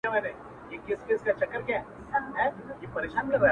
• زه قاسم یار چي تل ډېوه ستایمه,